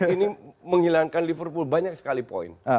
ini menghilangkan liverpool banyak sekali poin